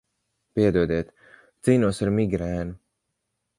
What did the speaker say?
Piedodiet, cīnos ar migrēnu.